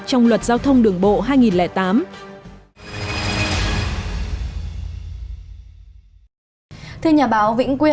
trong luật giao thông đường bộ hai nghìn tám